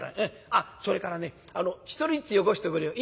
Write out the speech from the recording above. あっそれからね１人ずつよこしておくれよ。